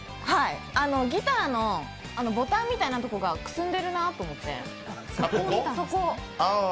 ギターのボタンみたいなところがくすんでるなと思って。